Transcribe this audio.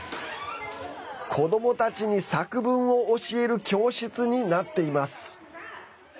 子どもたちに作文を教える教室になっています。